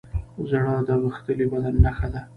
زړه د غښتلي بدن نښه ده.